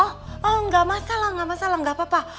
oh oh gak masalah gak masalah gak apa apa